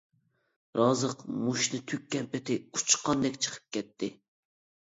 رازىق مۇشتىنى تۈگكەن پېتى ئۇچقاندەك چىقىپ كەتتى.